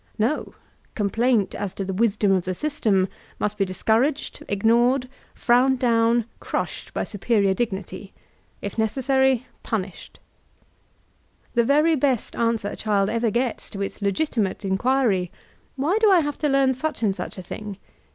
No: complaint as to the wisdom of the system must be discouraged, ignored, frowned down, crushed by superior dignity ; if necessary, punished The very best answer a child ever gets to its Intimate in quiry, ''Why do I have to learn such and sudi a thing?